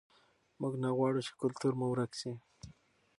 موږ نه غواړو چې کلتور مو ورک سي.